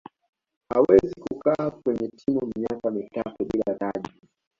hawezi kukaaa kwenye timu miaka mitatu bila taji